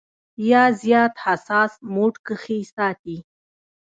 يا زيات حساس موډ کښې ساتي -